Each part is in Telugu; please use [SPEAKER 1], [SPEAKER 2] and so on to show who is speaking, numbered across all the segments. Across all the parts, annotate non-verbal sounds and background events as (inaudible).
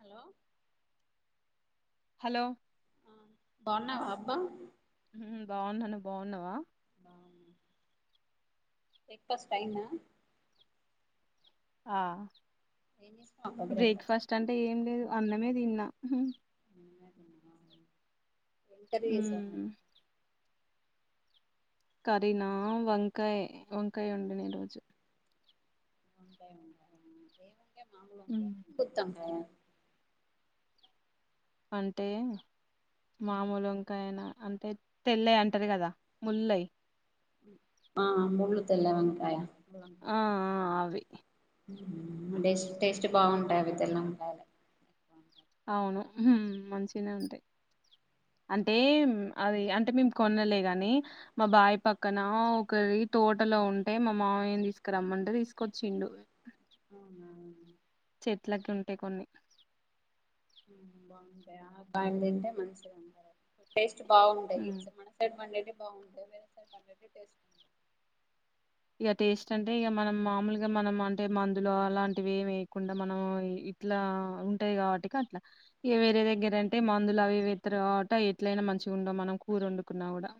[SPEAKER 1] హలో
[SPEAKER 2] హలో
[SPEAKER 1] ఆ బాగున్నావా అబ్బా
[SPEAKER 2] బాగున్నాను బాగున్నావా
[SPEAKER 1] బాగున్న బ్రేక్ఫాస్ట్ అయిందా
[SPEAKER 2] ఆ
[SPEAKER 1] ఏం చేసినావ్ అబ్బా
[SPEAKER 2] బ్రేక్ఫాస్ట్ అంటే ఏం లేదు అన్నమే తిన్నా
[SPEAKER 1] ఏం కర్రి చేసావు మరి
[SPEAKER 2] హ్మ్. కరీనా వంకాయ వంకాయ వండిన ఈ రోజు
[SPEAKER 1] వంకాయ వండావా ఏం
[SPEAKER 2] హ్మ్
[SPEAKER 1] వంకాయ గుత్తి వంకాయ
[SPEAKER 2] అంటే మామూలు వంకాయనా అంటే తెల్లయ అంటారు కదా ముల్లయి
[SPEAKER 1] ఆ ముళ్ళు తెల్ల వంకాయ ముల్లంకాయ
[SPEAKER 2] ఆ ఆ అవి
[SPEAKER 1] టేస్ట్ బాగుంటాయి అవి తెల్ల వంకాయలే
[SPEAKER 2] అవును మంచినే ఉంటాయి అంటే
[SPEAKER 1] మనం
[SPEAKER 2] అది అంటే అంటే మేము కొనలే గాని మా బాయ్ పక్కన ఒకరి తోటలో ఉంటే మా మావయ్య తీసుకు ఇక్కడ రమ్మంటే తీసుకొచ్చిండు
[SPEAKER 1] అవునా
[SPEAKER 2] చెట్లకి ఉంటాయి కొన్ని
[SPEAKER 1] ఉమ్ బాగుంటాయ బా తింటే మంచి గా టెస్ట్ బాగుంటాయి
[SPEAKER 2] హ్మ్
[SPEAKER 1] మన సైడ్ పండేవి బాగుంటాయి వేరే సైడ్స్
[SPEAKER 2] ఇక టేస్ట్ అంటే ఇక మనం మామూలుగా మనం అంటే మందులు అలాంటివి ఏమి వేయకుండా మనం ఇట్లా ఉంటాయి కాబట్టి అట్లా వేరే దగ్గర అంటే మందులు అవి వేత్తారు కాబట్టి ఎట్లయినా మంచి ఉ మనం కూర వండుకున్నా కూడా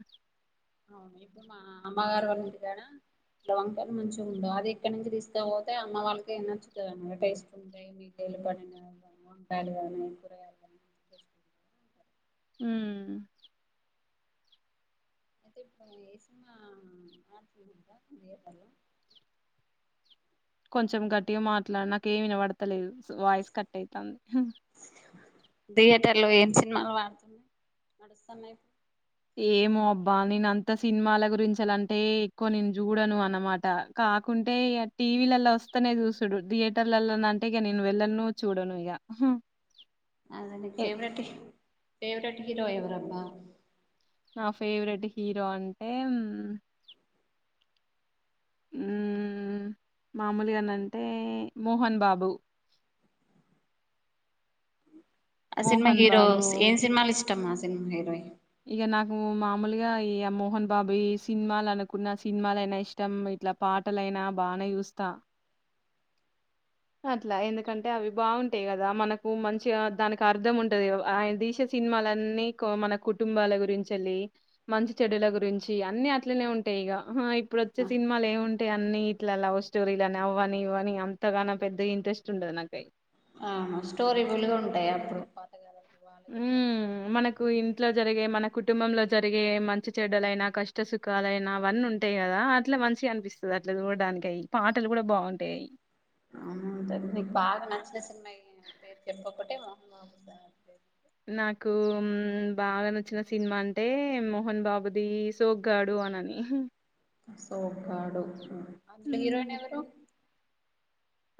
[SPEAKER 1] అవును ఎప్పుడు మా అమ్మగారు వాళ్ళా ఇంటి కాడ ల వంకాయలు మంచిగా ఉండవు అది ఇక్కడి నుంచి తీసుకపోతే అమ్మ వాళ్ళకి నచ్చుతుంది అన్న మాట టేస్ట్ ఉంటాయి లు పడిడుర (unintelligible)
[SPEAKER 2] హ్మ్
[SPEAKER 1] అయితే ఇప్పుడు ఏ సినిమా ఆడుతుందా థియేటర్ లో
[SPEAKER 2] కొంచెం గట్టిగా మాట్లాడి నాక ఏమి వినబడతలేదు వాయిస్ కట్ అయితంది
[SPEAKER 1] థియేటర్ లో ఏం సినిమాలు వాడుతున్నాయి నడుస్తున్నాయి
[SPEAKER 2] ఏమో అబ్బా నేన అంత సినిమాల గురించింటే ఎక్కువ నేను చూడను అన్న మాట కాకుంటే ఇ టీవీలలా వస్తేనే చూసుడు థియేటర్లల అంటే ఇక నేను వెళ్ళను చూడను ఇక హ
[SPEAKER 1] అదే నీ ఫవెట్ ఫేవరేట్ హీరో ఎవరబ్బా
[SPEAKER 2] నా ఫేవరెట్ హీరో అంటే
[SPEAKER 1] (inaudible)
[SPEAKER 2] మామూలుగా నం టే మోహన్ బాబు
[SPEAKER 1] ఆ సినిమా
[SPEAKER 2] మోహన్
[SPEAKER 1] హీరో
[SPEAKER 2] బాబు
[SPEAKER 1] ఏం సినిమాలు ఇష్టమా సినిమా హీరోయి
[SPEAKER 2] ఇక నాకు మామూలుగా ఈ మోహన్ బాబు సినిమా అనుకున్న సినిమాల అయినా ఇష్టం ఇట్లా పాటలైనా బానే చూస్తా అట్లా ఎందుకంటే అవి బాగుంటాయి కదా మనకు మంచిగా దానికి అర్ధం ఉంటాది ఆయన తీసే సినిమాలన్నీ మన కుటుంబాల గురించి వెళ్ళి మంచి చెడుల గురించి అన్ని అట్లనే ఉంటాయి ఇప్పుడు వచ్చే సినిమాలు ఏమి ఉంటాయి అన్ని ఇట్లా లవ్ స్టోరీ అని అవ్వని ఇవ్వని అంతగానం పెద్ద ఇంట్రెస్ట్ ఉండదు నాకై
[SPEAKER 1] ఆ స్టోరీ విలువ ఉంటాయా అప్పుడు అవళదదా (unintelligible)
[SPEAKER 2] హ్మ్. మనకు ఇంట్లో జరిగే మన కుటుంబంలో జరిగే మంచి చెడ్డలైనా కష్ట సుఖాలుైనా అవన్నీ ఉంటాయి కదా అట్లా మంచి అనిపిస్తుంది అట్లా చూడడానికి అవి పాటలు కూడా బాగుంటాయి
[SPEAKER 1] అవుంట నీకు బాగా నంచిన సినిమా పేరు చెప్ప ఒకటే మోహన్ బాబు
[SPEAKER 2] నాకు బాగా నచ్చిన సినిమా అంటే మోహన్ బాబుది సోక్గాడు పోనాని
[SPEAKER 1] సోకాడు అందులో
[SPEAKER 2] హ్మ్.
[SPEAKER 1] హీరోయిన్ ఎవరు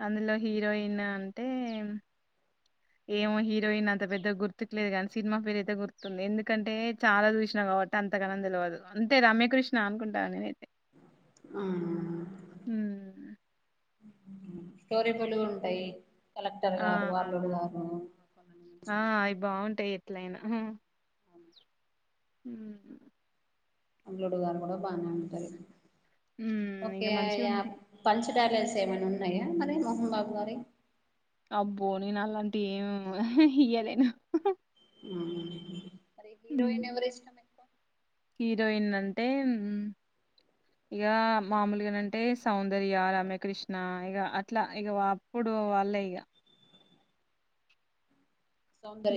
[SPEAKER 2] అందులో హీరోయిన్ అంటే ఏమో హీరోయిన్ అంత పెద్ద గుర్తుకు లేదు కానీ సినిమా ఫేర్ అయితే గుర్తుంది ఎందుకంటే చాలా చూసిన కాబట్టి అంతగాన తెలియదు అంతే రమ్య కృష్ణ అనుకుంటా అని
[SPEAKER 1] ఆ
[SPEAKER 2] హ్మ్.
[SPEAKER 1] స్టోరీ పొలుగు ఉంటాయి కలెక్టర్
[SPEAKER 2] ఆ
[SPEAKER 1] గారు అల్లుడు గారు
[SPEAKER 2] ఆ అవి బాగుంటాయి ఎట్లయినా హ్మ్
[SPEAKER 1] అల్లుడు గారు కూడా బానే అంటారు
[SPEAKER 2] హ్మ్ ఇగ
[SPEAKER 1] ఓకే
[SPEAKER 2] మంచిగుంటాయి
[SPEAKER 1] పంచ డలస్ ఏమైన్నా ఉన్నాయా మరి మోహన్ బాబు గారి
[SPEAKER 2] అబ్బో నేను అల్లాంటి ఏం ఇయ్యలేను హ్మ్
[SPEAKER 1] హీరోయిన్ ఎవరి ఇష్టం ఎ
[SPEAKER 2] హీరోయిన్ అంటే ఇక మామూలుగానంటే సౌందర్య రమకృష్ణ ఇక అట్లా ఇక అప్పుడు వాల్లే ఇగ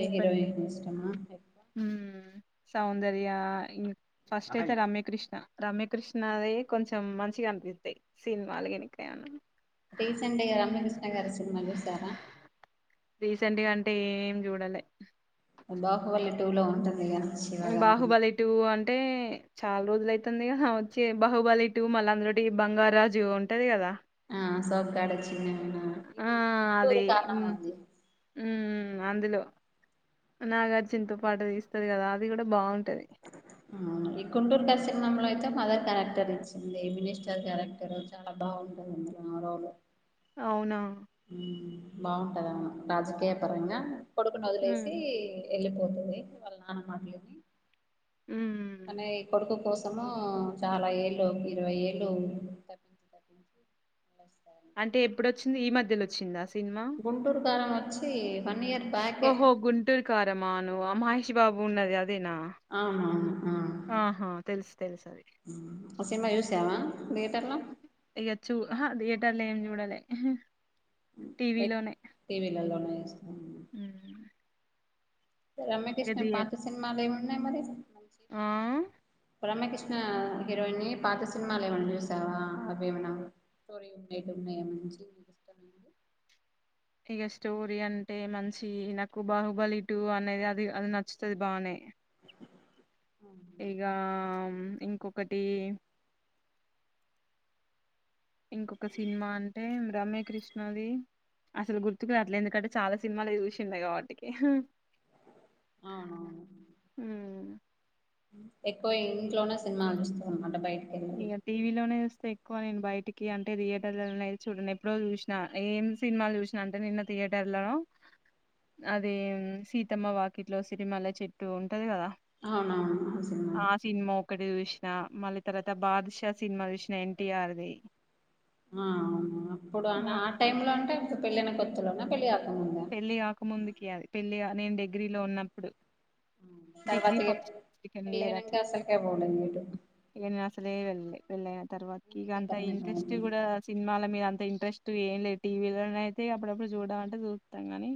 [SPEAKER 2] ఈ పట్
[SPEAKER 1] హీరోయిన్ ఇష్టమా ఎక్కువ
[SPEAKER 2] హ్మ్ సౌందర్య ఇం ఫస్ట్ అయితే రమ్యకృష్ణ రమ్యకృష్ణ అదే కొంచెం మంచిగా విద సినిమాల ఎనుకయాను
[SPEAKER 1] రీసెంట్ రమ్యకృష్ణ గారి సినిమా చూసారా
[SPEAKER 2] రీసెంట్గా అంటే ఏం చూడాలే
[SPEAKER 1] బాహబలి టూ లో ఉంటది కదా
[SPEAKER 2] బాహుబలిటు అన్ చాలా రోజులైతుందిగా వచ్చి బహుబలి టు మళ్ళా అందులోటి బంగార్రాజు ఉంటది కదా
[SPEAKER 1] ఆ సోగ్గాడెచిన్ని
[SPEAKER 2] ఆ అదే మ్
[SPEAKER 1] ఉంది
[SPEAKER 2] మ్ అందులో నాగార్జున్తో పాటు తీస్తాది కదా అది కూడా బాగున్
[SPEAKER 1] ఉమ్ ఈ గుంటూరు దశన్మామ్లె అే మదర్ క్యారెక్టర్ ఇచ్చింది మినస్టార్ క్యారెక్టర్ చాలా బాగుంటది అందులో ఆ రోల్
[SPEAKER 2] అవునా
[SPEAKER 1] ఉమ్ బాగుంటదమే రాజకీయ పరంగా కొడుకుని
[SPEAKER 2] హ్మ్.
[SPEAKER 1] వదిలేసి వెళ్ళిపోతుంది వాళ్ళ నాన్న మాటలిని
[SPEAKER 2] హ్మ్.
[SPEAKER 1] కానయి కొడుకు కోస్ ము చాలా ఏళ్ళు ఒక ఇరవై ఏళ్ళు తప్పించి తప్పించి
[SPEAKER 2] అంటే ఎప్పుడు వచ్చింది ఈ మధ్యలో వచ్చిందా సి
[SPEAKER 1] గుంటూరు కారం వచ్చి వన్ ఇయర్ బ్యాకే
[SPEAKER 2] ఓహో గుంటూరు కారమా ను మహేష్ బాబు ఉన్నది అది
[SPEAKER 1] ఆహ ఆ
[SPEAKER 2] ఆహా! తెలుసు తెలుసది.
[SPEAKER 1] ఆ సినిమా చూసావా లీటర్లా
[SPEAKER 2] ఇగ చూ ఆహా థియేటర్ ఏం జూడాలే
[SPEAKER 1] ఎ టీవీలలోనే చూస్తాం
[SPEAKER 2] హుమ్మ్
[SPEAKER 1] రమ్యకృష్ణ పాత సినిమాలు లేమున్నాయి మరి
[SPEAKER 2] ఆ!
[SPEAKER 1] రమ్యకృష్ణ ఆ హీరోయినీ పాత సినిమాలు లేమన్న జుసావా అవే మన స్టోరీ ఉన్నయిటు ఉన్నాయా మంచి మీకు ఇష్టమైంది
[SPEAKER 2] ఇగ స్టోరీ అంటే మంచి నాకు బాహుబలి టూ అనేది అది అది నచ్చుతది బానే ఇగా ఇంకొకటీ ఇంకొక సినిమా అంటే రమ్యకృష్ణది అసలు గుర్తుకురాట్లే ఎందుకంటే చాలా సినిమాలు చూసిండే కాబట్టికి
[SPEAKER 1] అవునవును
[SPEAKER 2] హ్మ్
[SPEAKER 1] ఎక్కువ ఇంట్లోనే సినిమాలు చూస్తా అంటే బయట
[SPEAKER 2] ఇగా టీవీలోనే ఎక్కువ నేను బయటికి అంటే థియేటర్లనేతే చూడను ఎప్పుడో చూసినా ఏం సినిమాలు చూసినా అంటే నిన్న థియేటర్లలో అది సీతమ్మ వాకిట్లో సిరిమల్ల చెట్టు ఉంటది కదా
[SPEAKER 1] అవునవును సినిమా
[SPEAKER 2] ఆ సినిమా ఒక్కటి చూసి ఆ మళ్ళీ తర్వాత బాదుషా సినిమా చూసిన ఎన్టీఆర్దిి
[SPEAKER 1] ఆ అవు అప్పుడు ఆ టైమ్ లో అంటే పెళ్ళైన కొత్తలోన పెళ్ళి గాక
[SPEAKER 2] పెళ్లి కాకముందుకి అది పెళ్లి గా నేను డిగ్రీలో ఉన్నప్పుడు
[SPEAKER 1] ఆ,
[SPEAKER 2] డిగ్రీ
[SPEAKER 1] తర్వాత ఇగ
[SPEAKER 2] ఫస్ట్ సెకండ్ ఇయర్
[SPEAKER 1] పెళ్ళైనంక
[SPEAKER 2] అట్లా
[SPEAKER 1] అసలుకే పోలేదు ఎటు
[SPEAKER 2] ఇగా నేను అసలే వెళ్ళలే పెళ్ళైన తర్వాతకి ఇక
[SPEAKER 1] ఇంటికే
[SPEAKER 2] అంత
[SPEAKER 1] పరిమితం
[SPEAKER 2] ఇంట్రెస్ట్ కూడా
[SPEAKER 1] అయిపోయిండు
[SPEAKER 2] సినిమాల మీద అంత ఇ ఇంట్రెస్ట్ ఏం లేదు టీవీలో అయితే అప్పుడప్పుడు చూడ అంటే చూస్తాం గానీ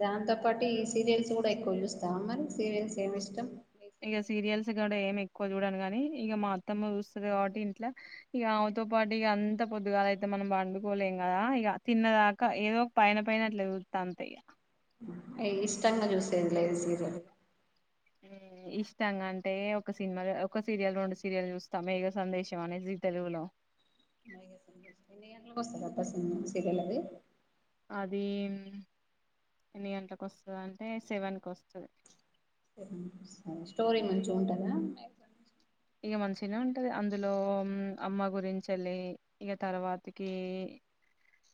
[SPEAKER 1] దాంతో పాటు ఈ సీరియల్స్ కూడా ఎక్కువ చూస్తావా మరి సీరియల్స్ ఏం ఇష్టం ఏ
[SPEAKER 2] ఇగా
[SPEAKER 1] సీరియల్
[SPEAKER 2] సీరియల్స్ ఏం ఎక్కువ చూడను కానీ ఇక మా అత్తమ్మ చూస్తుది కాబట్టి ఇంట్లా ఇక ఆమెతో పాటు ఇగా అంత పొద్దుగాల అయితే మనం పండుకోలేం కదా ఇక తిన్నదాకా ఏదో ఒక పైన పైన అట్లా సూత్త అంతే ఇక
[SPEAKER 1] ఏ ఇష్టంగా చూసేది లేదు సీరియల్
[SPEAKER 2] హ్మ్మ్ ఇష్టాంగా అంటే ఒక సినిమా ఒక సీరియల్ రెండు సీరియల్ చూస్తాం మేగ సందేశం అనేది జీ తెలుగులో
[SPEAKER 1] ఎన్ని గంట్లకు వస్తదా ఆ బస్సు (unintelligible) నుండి
[SPEAKER 2] అదీ ఎన్ని గంట్లకు వస్తధంటే సెవెన్కొస్తది.
[SPEAKER 1] స్టోరీ మంచిగుంటందా
[SPEAKER 2] ఇగ మంచిగనే ఉంటది, అందులో అమ్మ గురించెళ్ళి ఇగ తర్వాతకి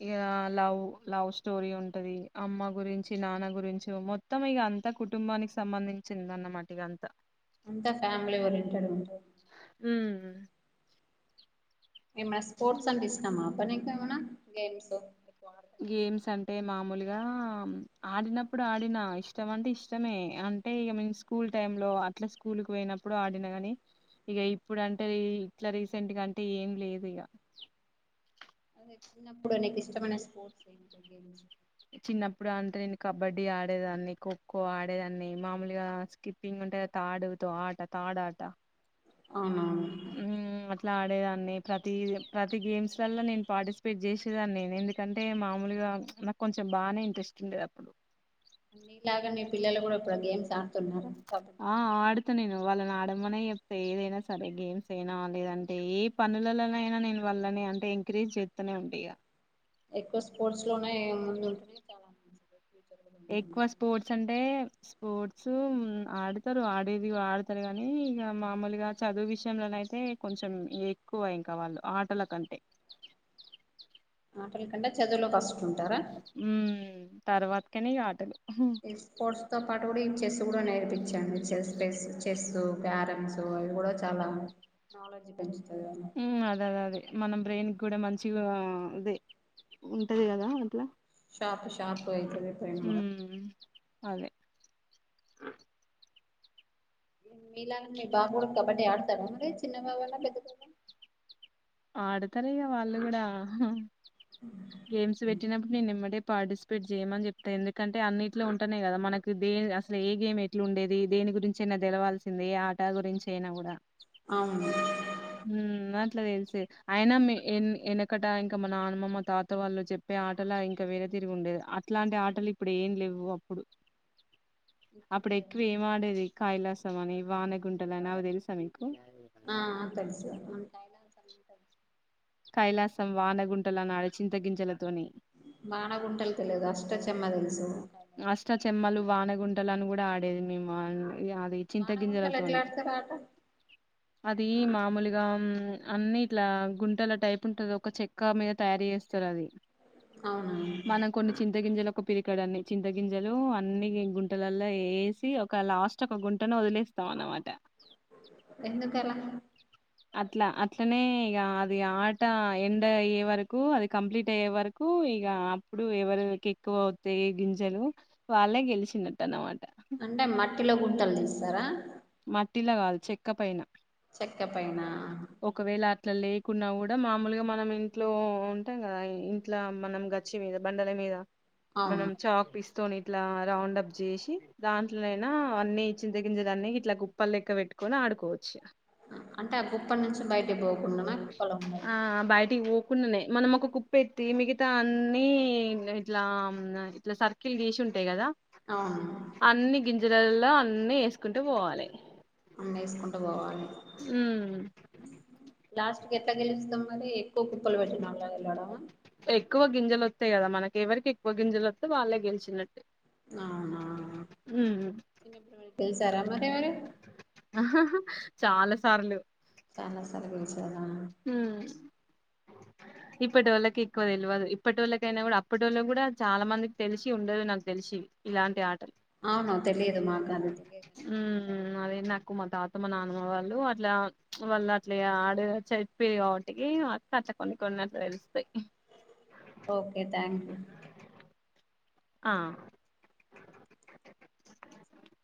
[SPEAKER 2] ఇగా లవ్ లవ్ స్టోరీ ఉంటది, అమ్మ గురించి నాన్న గురించి మొత్తం ఇగ అంత కుటుంబానికి సంబంధించిందన్నమాట ఇగ అంతా
[SPEAKER 1] అంతా ఫ్యామిలీ ఓరియెంటెడ్ గు
[SPEAKER 2] ఉమ్ ఉ
[SPEAKER 1] ఏమ్మ స్పోర్ట్స్ అంటె ఇష్టమా అబ్బ నీకేమన్న గేమ్స్ ఆడతావా
[SPEAKER 2] గేమ్స్ అంటే మామూలుగా ఆడినప్పుడు ఆడినా ఇష్టం అంటే ఇష్టమే అన్ అంటే ఇగ మేం స్కూల్ టైమ్ లో అట్ల స్కూల్ కు పోయినప్పుడు ఆడిన గని ఇగ ఇప్పుడంటే ఈ ఇట్లా రీసెంట్ గ అంటే ఏం లేదు ఇగ.
[SPEAKER 1] అదే చిన్నప్పుడు నీకు ఇష్టమైన స్పోర్ట్స్ ఎంటివి గేమ్స్
[SPEAKER 2] చిన్నప్పుడంటే నేను కబడ్డీ ఆడేదాన్ని, ఖోఖో ఆడేదాన్ని, మామూలుగా స్కిప్పింగ్ అంటే తాడుతో ఆట, తాడాట
[SPEAKER 1] అవునవును
[SPEAKER 2] ఉమ్ అట్ల్ ట్లా ఆడేదాన్ని ప్రతీది ప్రతి గేమ్స్ లల్ల నేను పార్టిసిపేట్ చేసేదాన్ని, ఎందుకంటే మామూలుగా నాకొంచెం బానే ఇంట్రెస్ట్ ఉండేదప్పుడు.
[SPEAKER 1] మీ లాగ మి పిల్లలు గూడ ఇప్పుడు గేమ్స్ ఆడుతున్నర? కబడ్
[SPEAKER 2] ప్త నేను వాళ్ళనాడమనే చెప్త ఏదైనా సరే, గేమ్స్ అయినా లేదంటే ఏ పనులళ్ళ నయినా నేను వల్లనే అంటే ఎంకరేజ్ చేత్తనే ఉంట ఇగ
[SPEAKER 1] ఎక్కువ స్పోర్ట్స్ లోనే ముందుంటరా? ఇగ చాలా (inaudible)
[SPEAKER 2] ఎక్కువ స్పోర్ట్స్ అంటే స్పోర్ట్స్ ఆడతరు ఆడేది ఆడతరు గనీ ఇగ మామూలుగా చదువు విషయంలనైతే కొంచెం ఎక్కువ ఇంక వాళ్ళు ఆటల కంటే
[SPEAKER 1] ఆటల కంటే చదువులో ఫస్టూంటరా?
[SPEAKER 2] ఉమ్ తర్వాత్కనే ఆటలు
[SPEAKER 1] ఇ స్పోర్ట్స్ తో పాటు గుడ ఇవి చెస్ గూడ నేర్పించాను చెస్ పెస్ చెస్సు క్యారమ్స్ అవి గూడా చాలా నాలెడ్జ్ పెంచు
[SPEAKER 2] ఉమ్ అదదదే మనం బ్రెయిన్ గ్గుడ మంచిగా అదే ఉంటది గదా అట్ల
[SPEAKER 1] షాపు షార్పుగయితది బ్రెయిన్ గూడ
[SPEAKER 2] ఉమ్ అదే
[SPEAKER 1] ఉమ్ మీలానే మీ బాబు గుడ కబడ్డీ ఆడతడా మరి చిన్న బవన్నా పెద్ద బాబన్
[SPEAKER 2] ఆడతరిగ వాళ్ళు గుడా, గేమ్స్ పెట్టినప్పుడు నేనేంబటె పార్టిసిపేట్ జేయమని చెప్త ఎందుకంటే అన్నిట్లో ఉంటనే గదా మనకి దే అసలు ఏ గేమ్ ఎట్లు ఉండేది దేని ని గురించి అయినా తెెలవాల్సిందే ఏ ఆట గురించి అయినా గూడ.
[SPEAKER 1] అవును
[SPEAKER 2] ఉమ్ అట్ల తెలుసు తె అయినా మి ఎనకట ఇంక మ నాన్నమ్మ మా తాత వాళ్ళు చెప్పే ఆటలా ఇంకా వేరే తీరుగుండేది అట్లాంటి ఆటలు ఇప్పుడేం లేవు అప్పుడు
[SPEAKER 1] ఇప్పుడు లేదా
[SPEAKER 2] అప్పుడెక్కువ ఏం ఆడేది కైలాసం అని, వానగుంటలని అవి దెల్స మిక్
[SPEAKER 1] ఆ తెలుసు
[SPEAKER 2] కైలాసం, వానగుంటలనాడ చింత గింజల
[SPEAKER 1] వాన గుంటలు తెలిదు అష్ట చెమ్మ తెలుసు
[SPEAKER 2] అష్ట చెమ్మలు వానగుంటలను గూడ ఆడేది మేము ఇగ ఆది చింత
[SPEAKER 1] వానగుంటలు ఎట్లా
[SPEAKER 2] గింజలతోని
[SPEAKER 1] ఆడతారు ఆట
[SPEAKER 2] అదీ మామూలుగ అన్ని ఇట్లా గుంటల టైప్ ఉంటది ఒక చెక్క మీద తయారు జే స్తరది
[SPEAKER 1] అవునా
[SPEAKER 2] మనం కొన్ని చింత గింజల ఒక పిరికడ్ అన్ని చింత గింజలు అన్ని గుంటలలో వేసి ఒక లాస్ట్ ఒక గుంటను వదిలేస్త స్త అన్నమాట
[SPEAKER 1] ఎందుకలా
[SPEAKER 2] అట్లా అట్లనే ఇక అది ఆట ఎండ్ అయ్యే వరకు అది కంప్లీట్ అయ్యే వరకు ఇక అప్పుడు ఎవరికి ఎక్కువ అవుతాయి గింజలు వాళ్ళే గెలిచినట్టు అనమాట
[SPEAKER 1] అంటే మట్టిలో గుంటలు తీస్తారా
[SPEAKER 2] మట్టిలా కాదు చెక్క పైన
[SPEAKER 1] చెక్క పైన
[SPEAKER 2] ఒకవేళ అట్లా లే కున్నా కూడా మామూలుగా మనం ఇంట్లో ఉంటాం కదా ఇంట్ల మనం గచ్చి మీద బండల మీద
[SPEAKER 1] అవును
[SPEAKER 2] మనం చా పస్త త ఇట్లా రౌండ్ అప్ చేసి దాంట్లోనా అన్ని చింత గంజలు అన్ని ఇట్లా కుప్పల్ లెక్క పెట్టుకొని ఆడుకోవచ్చు
[SPEAKER 1] అంటే ఆ గుప్ప నుంచి బయట పో
[SPEAKER 2] ఆ బయటి మనం ఒక కుప్ప ఎత్తి మిగతా అన్ని ఇట్లా ఇట్లా సర్కిల్ తీసి అంతయి కదా
[SPEAKER 1] అవును
[SPEAKER 2] గజలల్లో అన్ని వేసుకుంటూ పోవాలి
[SPEAKER 1] వేసుకుంటూ పోవాలి
[SPEAKER 2] మ్మ్
[SPEAKER 1] లాస్ట్ కి ఎలా గెలుస్తాం మరి ఎక్కువ కుప్పలు పెట్టినంలా వెళ్లడం
[SPEAKER 2] ఎక్కువ గింజలు వస్తాయి కదా మనకి ఎవరికి ఎక్కువ గింజలు వస్తే వాళ్ళే గెలిచినట్టు
[SPEAKER 1] అవునా
[SPEAKER 2] మ్మ్
[SPEAKER 1] తెలుసా రా మరి అ వరి
[SPEAKER 2] ఆ చాలా సార్లు
[SPEAKER 1] చాలా సార్లు కలిసారా
[SPEAKER 2] మ్మ్ ఇప్పటోళ్ళకి ఎక్కువ తెల్వదు ఇప్పటోళ్ళకి అయినా కూడా అప్పటోళ్ళకి కూడా చాలా మందికి తెలిసి ఉండదు నాకు తెలిసి సి ఇలాంటి ఆటల్
[SPEAKER 1] అవును తెలియదు మాకు అది తెలియకనే మిమ్మల్ని
[SPEAKER 2] మ్మ్ అది కువ మా తాత మా నాన్నమ్మ వాళ్ళు అట్లా వాళ్ళు అట్లా ఆడ చెప్పి వాటికి కొన్ని అట్ల తెలుస్తాయ్
[SPEAKER 1] ఓకే థ్యాంక్ యూ
[SPEAKER 2] ఆ